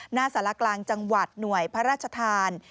หน้าสารกลางจังหวัดหน่วยพระราชทาน